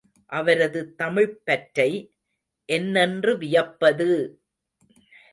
அவரது தமிழ்ப்பற்றை என்னென்று வியப்பது!